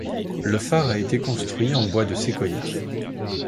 Le phare a été construit en bois de séquoia.